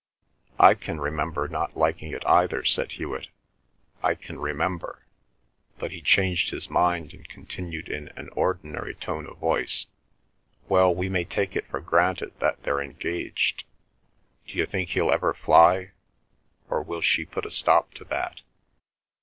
"I can remember not liking it either," said Hewet. "I can remember—" but he changed his mind and continued in an ordinary tone of voice, "Well, we may take it for granted that they're engaged. D'you think he'll ever fly, or will she put a stop to that?"